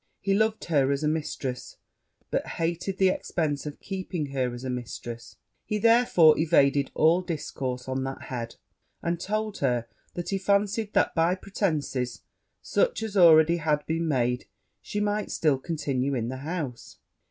He loved her as a mistress, but hated the expence of keeping her as a mistress: he therefore evaded all discourse on that head; and told her he fancied that, by pretences such as already had been made, she might still continue in the house.